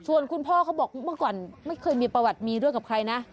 ส่วนคุณพ่อเขาบอกเมื่อก่อนไม่เคยมีประวัติมีเรื่องกับใครนะ